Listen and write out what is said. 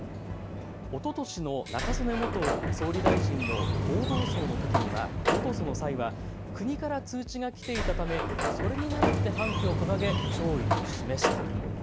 おととしの中曽根元総理大臣の合同葬の際は国から通知が来ていたため、それにならって半旗を掲げ弔意を示した。